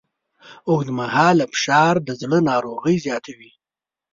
اوږدمهاله فشار د زړه ناروغۍ زیاتوي.